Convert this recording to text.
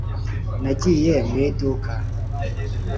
nagiye mu iduka.